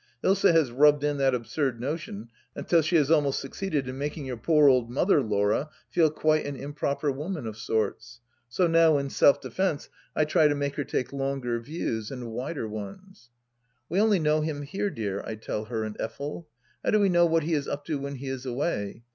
Ilsa has rubbed in that absurd notion until she has almost succeeded in making your poor old mother, Laura, feel quite an improper woman of sorts. So now, in self defence, I try to make her take longer views and wider ones. " We only know him here, dear," I tell her and Effel, " How do we know what he is up to when he is away